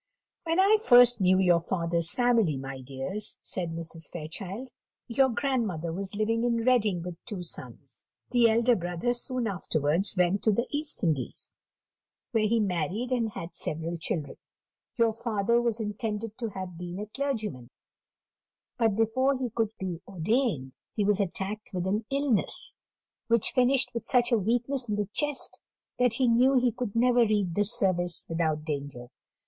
"When I first knew your father's family, my dears," said Mrs. Fairchild, "your grandmother was living in Reading with two sons: the elder brother soon afterwards went to the East Indies, where he married and had several children. Your father was intended to have been a clergyman, but before he could be ordained he was attacked with an illness, which finished with such a weakness in the chest, that he knew he could never read the Service without danger.